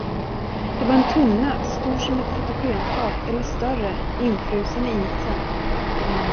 Det var en tunna, stor som ett fotogenfat, eller större, infrusen i isen.